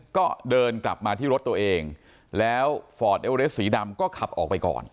ก็เดินกลับมาที่รถตัวเองแล้วฟอร์ดเอวเรสสีดำก็ขับออกไปก่อน